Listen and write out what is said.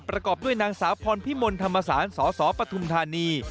ประกอบด้วยนางสาวพรพิมลธรรมศาลสสปทุมธานี